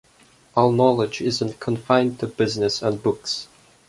All knowledge isn't confined to business and books.